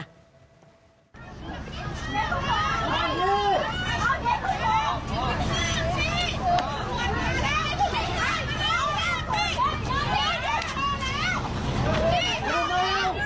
พี่พี่พี่พอแล้วพี่พอแล้วพอแล้วพอแล้ว